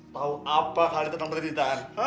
tau apa kali itu yang berdiri tan